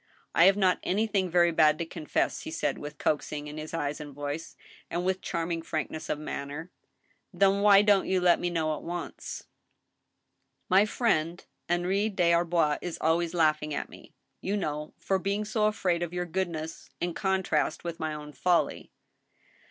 " I have not anything very bad to confess," he said, with coax ing in his eyes and voice, and with charming frankness of manner. " Then why don't you let me know at once ?" l66 THE STEEL HAMMER. "My friend Henri des Arbois is always laughing at me, you Icnow, for being so afraid of your goodness in contrast with my own folly."